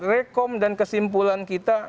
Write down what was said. rekom dan kesimpulan kita